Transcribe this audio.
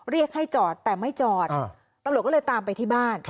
เรียกให้จอดแต่ไม่จอดตำรวจก็เลยตามไปที่บ้าน